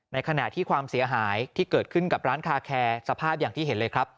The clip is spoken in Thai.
ในขณะที่ความเสียหายที่เกิดขึ้นกับร้านคาแคร์สภาพอย่างที่เห็นเลยครับ